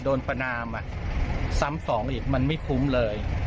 ประนามซ้ำสองอีกมันไม่คุ้มเลย